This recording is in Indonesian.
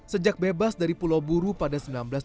sejak bebas dari pulau buru pada seribu sembilan ratus tujuh puluh